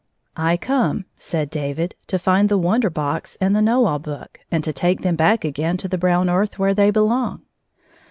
" I come," said David, " to find the Wonder Box and the Know All Book, and to take them back again to the brown earth, where they belong."